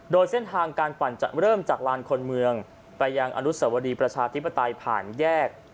โดยเส้นทางการปั่นจะเริ่มจากลานคนเมืองไปยังอนุสวรีประชาธิปไตยผ่านแยก